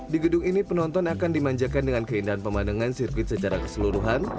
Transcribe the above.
di gedung ini penonton akan dimanjakan dengan keindahan pemandangan sirkuit secara keseluruhan